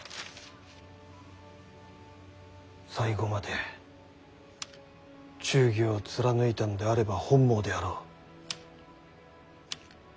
最後まで忠義を貫いたのであれば本望であろう。